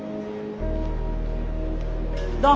どう？